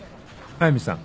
速見さん